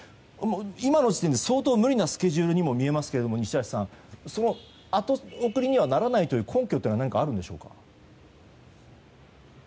今の時点で相当無理なスケジュールにも見えますが西橋さん、後送りにはならないという根拠は何かあるんでしょうか？